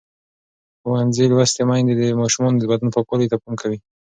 ښوونځې لوستې میندې د ماشومانو د بدن پاکوالي ته پام کوي.